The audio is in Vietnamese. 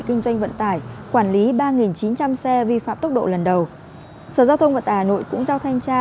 kinh doanh vận tải quản lý ba chín trăm linh xe vi phạm tốc độ lần đầu sở giao thông vận tải hà nội cũng giao thanh tra